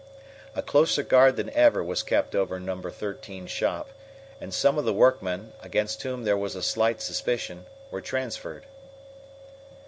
A closer guard than ever was kept over No. 13 shop, and some of the workmen, against whom there was a slight suspicion, were transferred.